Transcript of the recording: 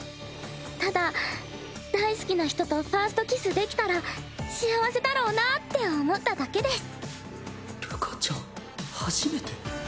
ただ大好きな人とファーストキスできたら幸せだろうなぁって思っただけです